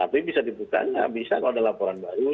tapi bisa dibuka bisa kalau ada laporan baru